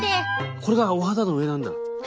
これがお肌の上なんだ。